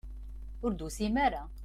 Ur d-tusim ara.